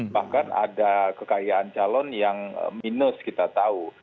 bahkan ada kekayaan calon yang minus kita tahu